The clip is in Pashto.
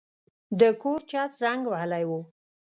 د کور چت زنګ وهلی و.